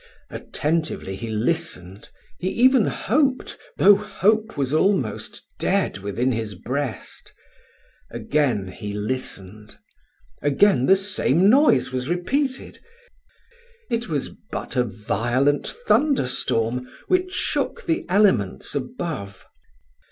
Attentively he listened he even hoped, though hope was almost dead within his breast. Again he listened again the same noise was repeated it was but a violent thunderstorm which shook the elements above.